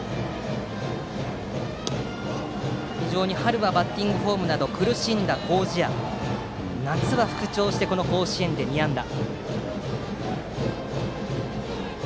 非常に春はバッティングフォームなど苦しんだ麹家ですが夏は復調して甲子園で２安打。